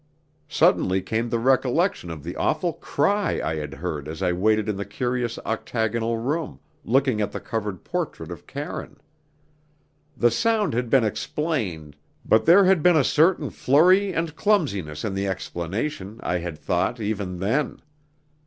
Suddenly came the recollection of the awful cry I had heard as I waited in the curious octagonal room, looking at the covered portrait of Karine. The sound had been explained, but there had been a certain flurry and clumsiness in the explanation, I had thought, even then.